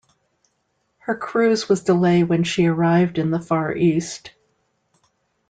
Her cruise was delayed when she arrived in the Far East.